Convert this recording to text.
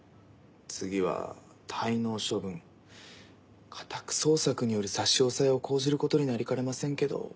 次は滞納処分家宅捜索による差し押さえを講じることになりかねませんけど。